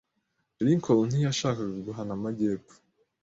Lincoln ntiyashakaga guhana amajyepfo.